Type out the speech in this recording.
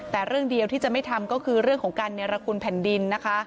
แต่เรื่องเดียวที่จะไม่ทำก็คือเรื่องของการเนรคุณแผ่นดินนะคะ